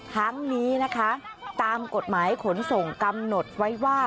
ทั้งนี้นะคะตามกฎหมายขนส่งกำหนดไว้ว่า